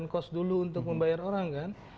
nggak harus ngeluarkan kos dulu untuk membayar orang kan